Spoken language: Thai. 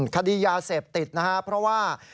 คดียาเสพติดนะครับเพราะว่า